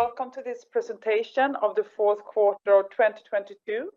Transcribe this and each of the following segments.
Hi, welcome to this presentation of the fourth quarter of 2022.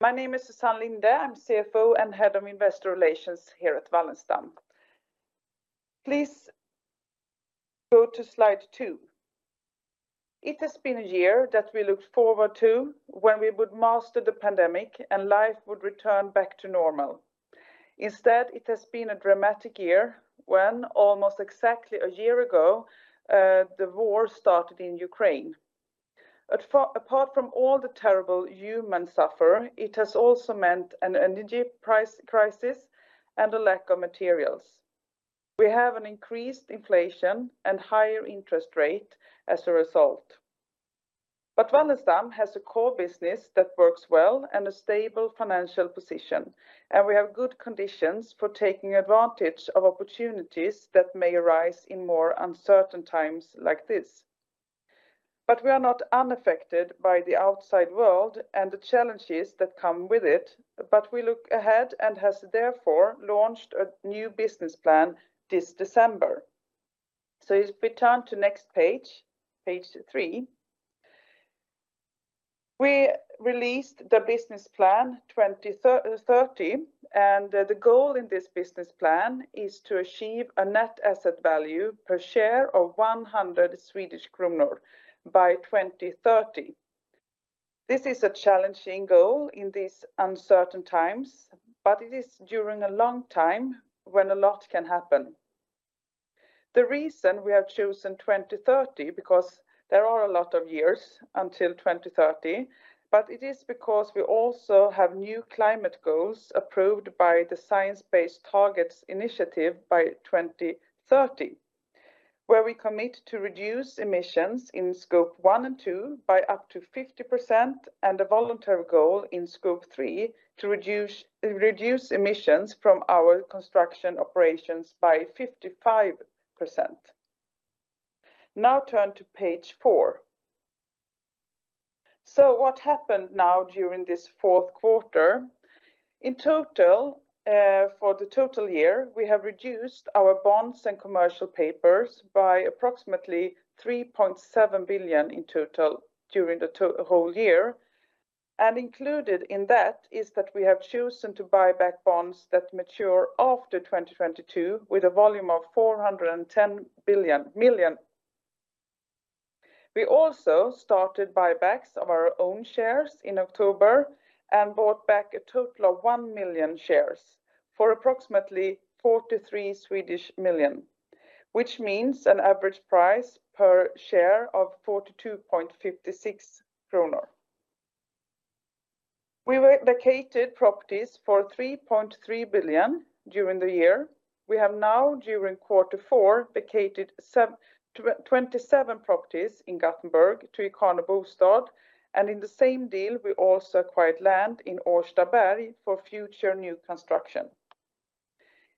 My name is Susann Linde. I'm CFO and Head of Investor Relations here at Wallenstam. Please go to slide two. It has been a year that we looked forward to when we would master the pandemic, and life would return back to normal. Instead, it has been a dramatic year when almost exactly a year ago, the war started in Ukraine. Far apart from all the terrible human suffering, it has also meant an energy price crisis and a lack of materials. We have increased inflation and a higher interest rate as a result. Wallenstam has a core business that works well and a stable financial position. We have good conditions for taking advantage of opportunities that may arise in more uncertain times like this. We are not unaffected by the outside world and the challenges that come with it. We look ahead and have therefore launched a new business plan this December. Please turn to page three. We released the business plan 2030. The goal in this business plan is to achieve a net asset value per share of 100 Swedish kronor by 2030. This is a challenging goal in these uncertain times. It is during a long time that a lot can happen. The reason we have chosen 2030 because there are a lot of years until 2030, but it is because we also have new climate goals approved by the Science Based Targets initiative by 2030, where we commit to reduce emissions in Scope 1 and 2 by up to 50% and a voluntary goal in Scope 3 to reduce emissions from our construction operations by 55%. Turn to page four. What happened now during this fourth quarter? In total, for the total year, we have reduced our bonds and commercial papers by approximately 3.7 billion in total during the whole year. Included in that is that we have chosen to buy back bonds that mature after 2022 with a volume of SEK 410 million. We also started buybacks of our own shares in October and bought back a total of 1 million shares for approximately 43 million, which means an average price per share of 42.56 kronor. We vacated properties for 3.3 billion during the year. We have now, during quarter four, vacated 27 properties in Gothenburg to Ikano Bostad, and in the same deal, we also acquired land in Årstaberg for future new construction.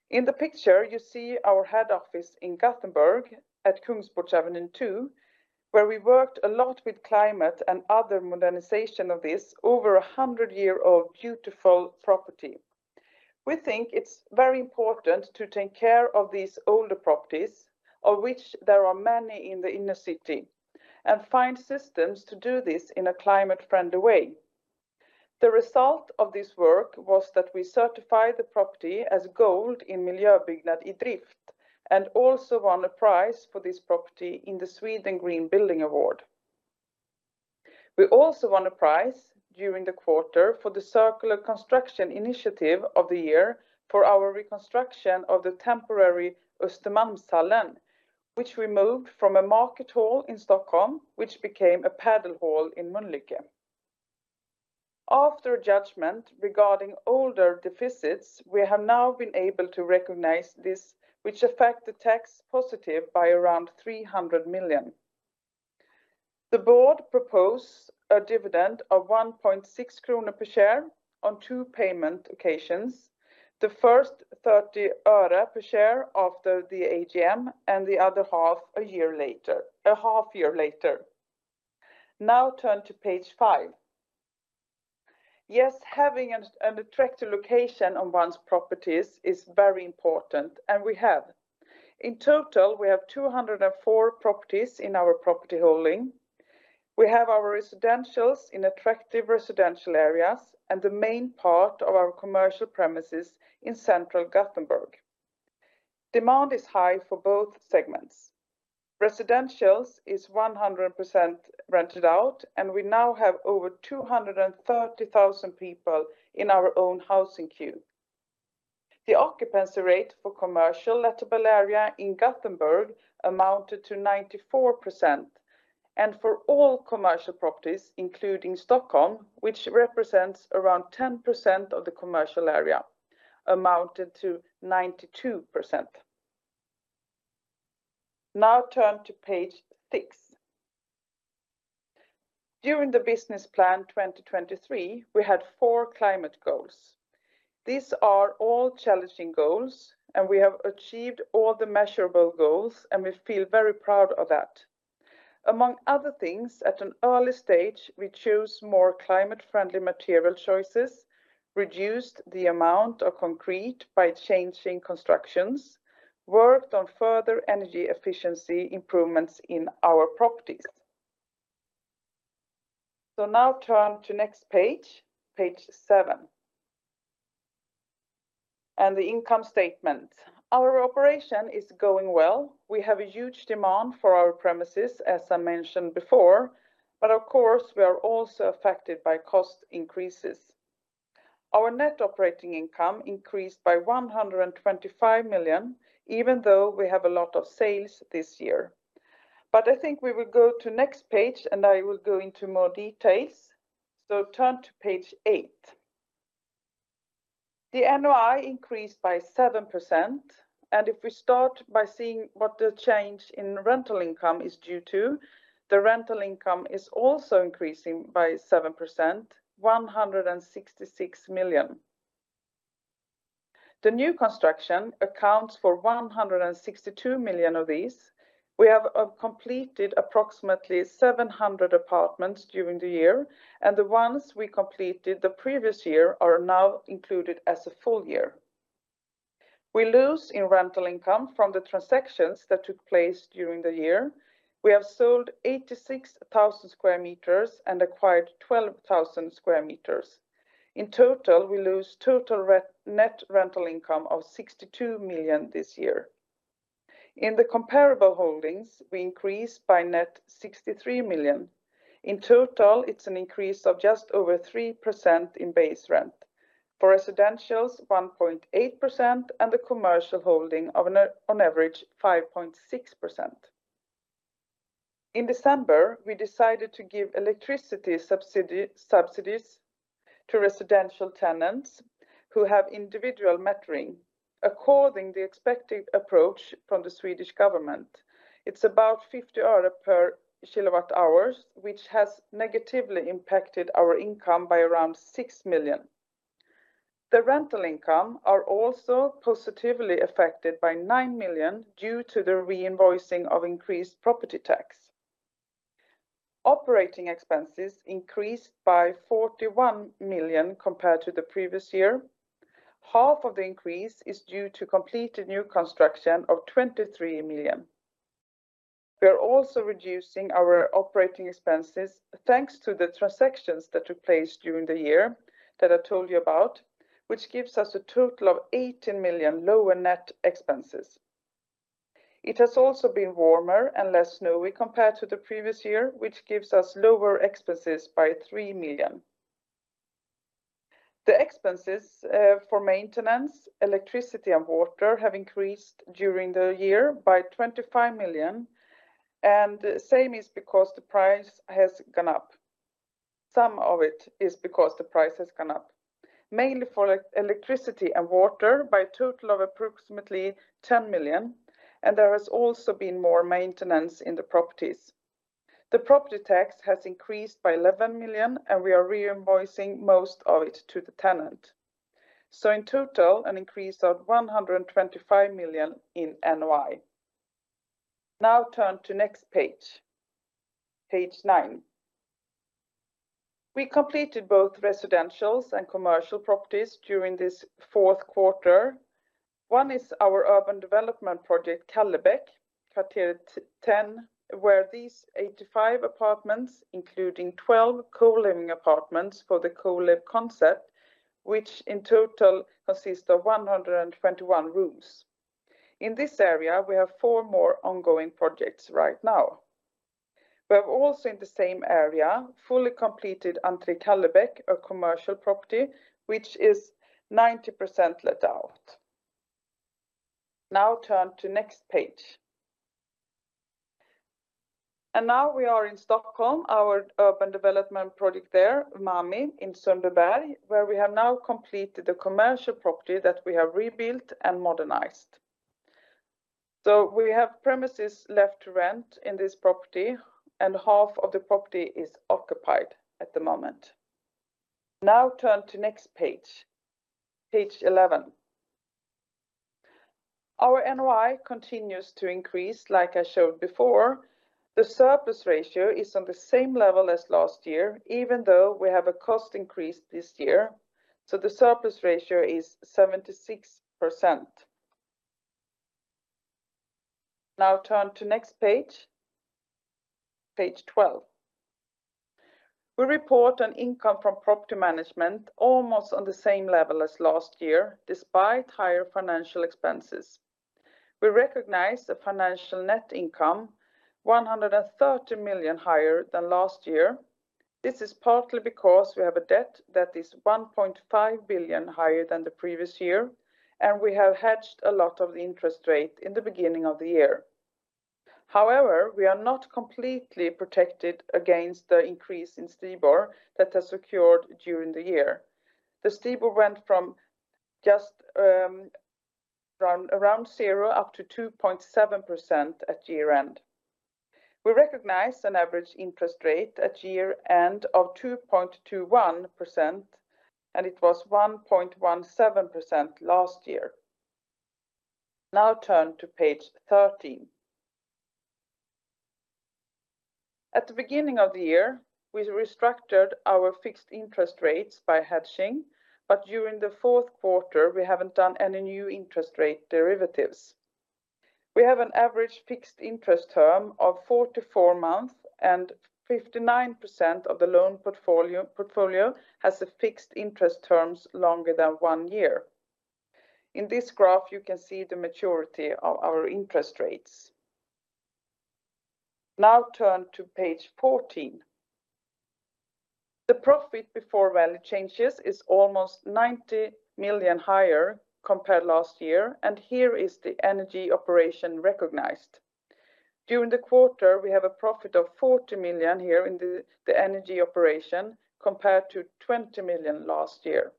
In the picture, you see our head office in Gothenburg at Kungsportsavenyn two, where we worked a lot with climate and other modernization of this over 100-year-old beautiful property. We think it's very important to take care of these older properties, of which there are many in the inner city, and find systems to do this in a climate-friendly way. The result of this work was that we certified the property as Gold in Miljöbyggnad iDrift and also won a prize for this property in the Sweden Green Building Awards. We also won a prize during the quarter for the Circular Construction Initiative of the Year for our reconstruction of the temporary Östermalmshallen, which we moved from a market hall in Stockholm, which became a padel hall in Mölnlycke. After judgment regarding older deficits, we have now been able to recognize this, which affects the tax positive by around 300 million. The board proposes a dividend of 1.6 kronor per share on two payment occasions, the first SEK 0.30 per share after the AGM and the other half a year later. Turn to page five. Having an attractive location on one's properties is very important, and we have. In total, we have 204 properties in our property holdings. We have our residentials in attractive residential areas and the main part of our commercial premises in central Gothenburg. Demand is high for both segments. Residential is 100% rented out, and we now have over 230,000 people in our own housing queue. The occupancy rate for commercial lettable area in Gothenburg amounted to 94%, and for all commercial properties, including Stockholm, which represents around 10% of the commercial area, amounted to 92%. Now turn to page six. During the business plan 2023, we had four climate goals. These are all challenging goals, and we have achieved all the measurable goals, and we feel very proud of that. Among other things, at an early stage, we choose more climate-friendly material choices. Reduced the amount of concrete by changing constructions, and worked on further energy efficiency improvements in our properties. Now turn to page seven, and the income statement. Our operation is going well. We have a huge demand for our premises, as I mentioned before. Of course, we are also affected by cost increases. Our net operating income increased by 125 million, even though we have a lot of sales this year. I think we will go to the next page, and I will go into more details. Turn to page eight. The NOI increased by 7%, and if we start by seeing what the change in rental income is due to, the rental income is also increasing by 7%, 166 million. The new construction accounts for 162 million of these. We have completed approximately 700 apartments during the year, and the ones we completed the previous year are now included as a full year. We lose in rental income from the transactions that took place during the year. We have sold 86,000 square meters and acquired 12,000 sq m. In total, we lose total net rental income of 62 million this year. In the comparable holdings, we increase by net 63 million. In total, it's an increase of just over 3% in base rent. For residential, 1.8%, and the commercial holding on average 5.6%. In December, we decided to give electricity subsidies to residential tenants who have individual metering according to the expected approach from the Swedish Government. It's about 50 euro per kilowatt-hour, which has negatively impacted our income by around 6 million. The rental income is also positively affected by 9 million due to the reinvoicing of increased property tax. Operating expenses increased by 41 million compared to the previous year. Half of the increase is due to the completed new construction of 23 million. We are also reducing our operating expenses thanks to the transactions that took place during the year that I told you about, which gives us a total of 18 million lower net expenses. It has also been warmer and less snowy compared to the previous year, which gives us lower expenses by 3 million. The expenses for maintenance, electricity, and water have increased during the year by 25 million, and same is because the price has gone up. Some of it is because the price has gone up, mainly for electricity and water, by a total of approximately 10 million. There has also been more maintenance in the properties. The property tax has increased by 11 million, and we are reinvoicing most of it to the tenant. In total, an increase of 125 million in NOI. Turn to page nine. We completed both residential and commercial properties during this fourth quarter. One is our urban development project, Kallebäcks Terrasser Kv. 10, where these 85 apartments, including 12 co-living apartments for the Colive concept, which in total consist of 121 rooms. In this area, we have four more ongoing projects right now. We have also in the same area, fully completed Entré Kallebäck, a commercial property, which is 90% let out. Turn to the next page. We are in Stockholm, our urban development project there, Umami, in Sundbyberg, where we have now completed the commercial property that we have rebuilt and modernized. We have premises left to rent in this property, and half of the property is occupied at the moment. Turn to page 11. Our NOI continues to increase like I showed before. The surplus ratio is on the same level as last year even though we have a cost increase this year, the surplus ratio is 76%. Turn to page 12. We report an income from property management almost on the same level as last year, despite higher financial expenses. We recognize the financial net income 130 million higher than last year. This is partly because we have a debt that is 1.5 billion higher than the previous year. We have hedged a lot of the interest rate in the beginning of the year. However, we are not completely protected against the increase in STIBOR that has occurred during the year. The STIBOR went from around zero up to 2.7% at year-end. We recognize an average interest rate at year-end of 2.21%, and it was 1.17% last year. Now turn to page 13. At the beginning of the year, we restructured our fixed interest rates by hedging. During the fourth quarter, we haven't done any new interest rate derivatives. We have an average fixed interest term of 44 months, 59% of the loan portfolio has a fixed interest term longer than one year. In this graph, you can see the maturity of our interest rates. Turn to page 14. The profit before value changes is almost 90 million higher compared last year, here is the energy operation is recognized. During the quarter, we have a profit of 40 million here in the energy operation compared to 20 million last year.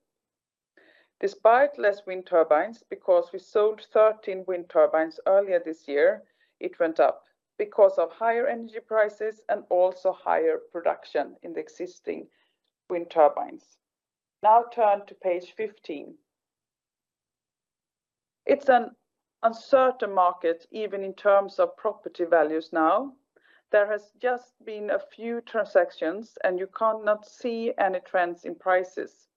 Despite less wind turbines, because we sold 13 wind turbines earlier this year, it went up because of higher energy prices and also higher production in the existing wind turbines. Turn to page 15. It's an uncertain market, even in terms of property values now. There has just been a few transactions, you cannot see any trends in prices.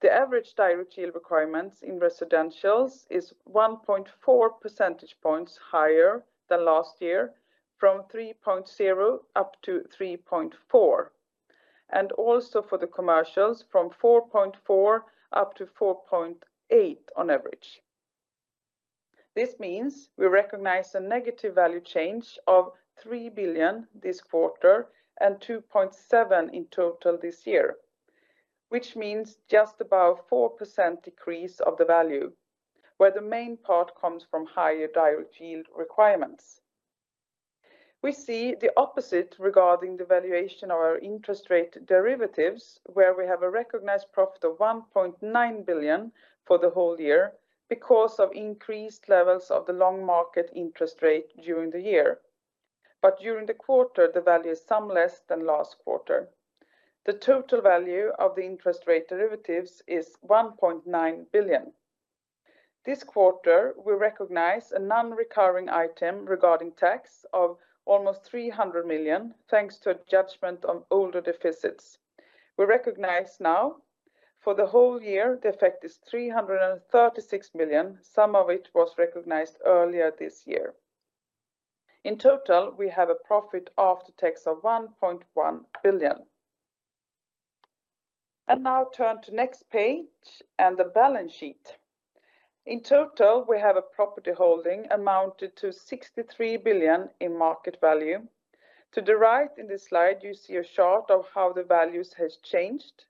The average direct yield requirements in residentials is 1.4 percentage points higher than last year, from 3.0 up to 3.4, and also for the commercials from 4.4 up to 4.8 on average. This means we recognize a negative value change of 3 billion this quarter and 2.7 billion in total this year, which means just about 4% decrease of the value, where the main part comes from higher direct yield requirements. We see the opposite regarding the valuation of our interest rate derivatives, where we have a recognized profit of 1.9 billion for the whole year because of increased levels of the long market interest rate during the year. During the quarter, the value is some less than last quarter. The total value of the interest rate derivatives is 1.9 billion. This quarter, we recognize a non-recurring item regarding tax of almost 300 million, thanks to adjustment of older deficits. We recognize now for the whole year, the effect is 336 million, some of which was recognized earlier this year. In total, we have a profit after tax of 1.1 billion. Now turn to next page and the balance sheet. In total, we have a property holding amounted to 63 billion in market value. To the right in this slide, you see a chart of how the values has changed.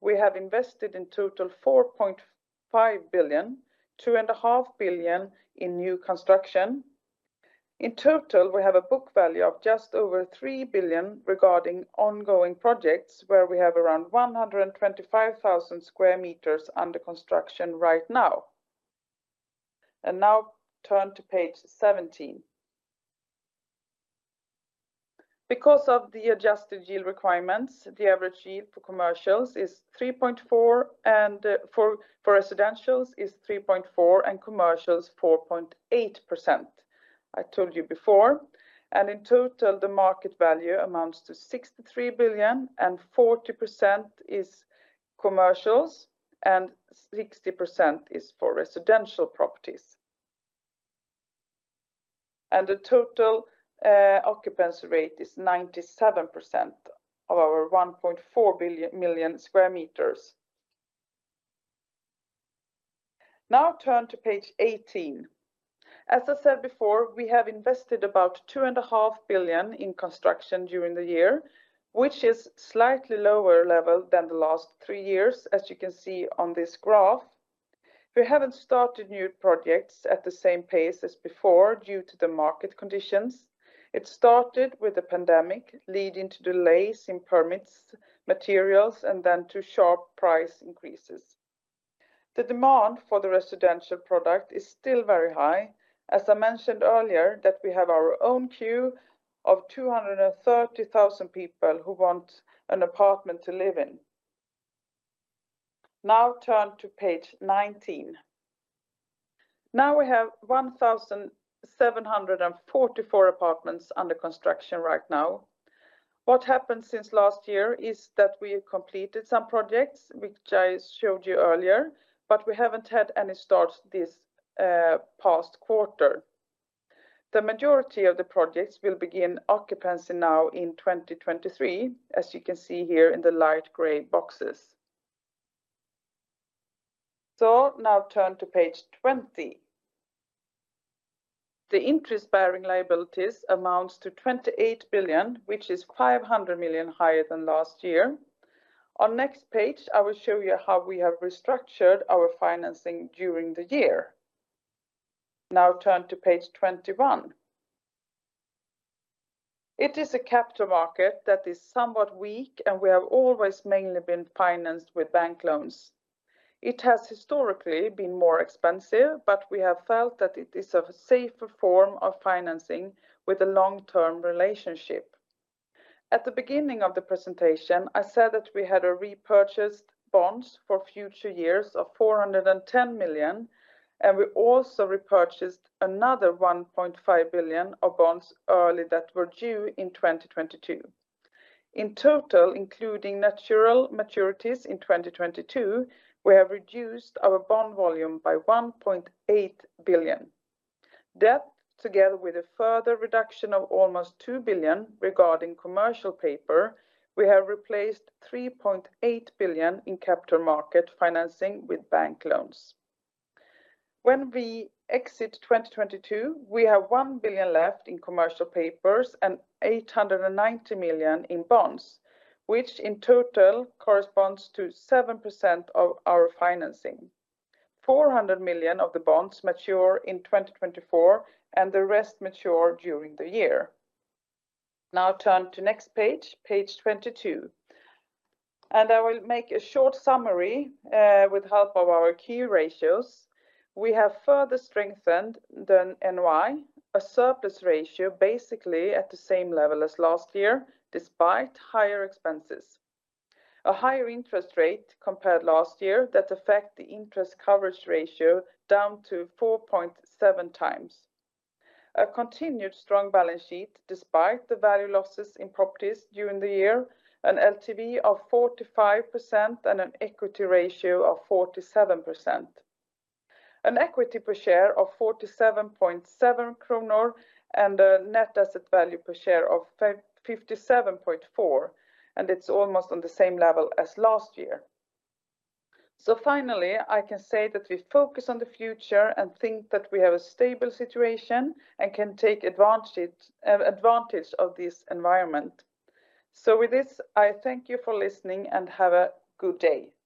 We have invested in total 4.5 billion, 2.5 billion in new construction. In total, we have a book value of just over 3 billion regarding ongoing projects where we have around 125,000 square meters under construction right now. Now turn to page 17. Because of the adjusted yield requirements, the average yield for commercials is 3.4, and for residentials is 3.4, and commercials 4.8%. I told you before. In total, the market value amounts to 63 billion and 40% is commercials and 60% is for residential properties. The total occupancy rate is 97% of our 1.4 million square meters. Now turn to page 18. As I said before, we have invested about 2.5 billion in construction during the year, which is slightly lower level than the last three years, as you can see on this graph. We haven't started new projects at the same pace as before due to the market conditions. It started with the pandemic, leading to delays in permits, materials, and then to sharp price increases. The demand for the residential product is still very high. As I mentioned earlier, that we have our own queue of 230,000 people who want an apartment to live in. Turn to page 19. We have 1,744 apartments under construction right now. What happened since last year is that we have completed some projects, which I showed you earlier, but we haven't had any starts this past quarter. The majority of the projects will begin occupancy now in 2023, as you can see here in the light gray boxes. Turn to page 20. The interest-bearing liabilities amount to 28 billion, which is 500 million higher than last year. On the next page, I will show you how we have restructured our financing during the year. Turn to page 21. It is a capital market that is somewhat weak, and we have always mainly been financed with bank loans. It has historically been more expensive, but we have felt that it is a safer form of financing with a long-term relationship. At the beginning of the presentation, I said that we had repurchased bonds for future years of 410 million, and we also repurchased another 1.5 billion of bonds early that were due in 2022. In total, including natural maturities in 2022, we have reduced our bond volume by 1.8 billion. That, together with a further reduction of almost 2 billion regarding commercial paper, we have replaced 3.8 billion in capital market financing with bank loans. When we exit 2022, we have 1 billion left in commercial papers and 890 million in bonds, which in total corresponds to 7% of our financing. 400 million of the bonds mature in 2024, and the rest mature during the year. Now turn to page 22. I will make a short summary with the help of our key ratios. We have further strengthened the NOI, a surplus ratio basically at the same level as last year, despite higher expenses. A higher interest rate compared to last year, that affect the interest coverage ratio down to 4.7x. A continued strong balance sheet despite the value losses in properties during the year, an LTV of 45%, and an equity ratio of 47%. An equity per share of 47.7 kronor and a net asset value per share of 57.4. It's almost on the same level as last year. Finally, I can say that we focus on the future and think that we have a stable situation and can take advantage of this environment. With this, I thank you for listening and have a good day. Thank you.